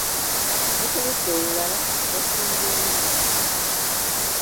Ne kuludda olulala, waali wasimbyeyo mmotoka.